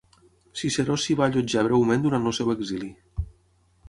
Ciceró s'hi va allotjar breument durant el seu exili.